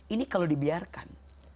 ini kalau dibiarkan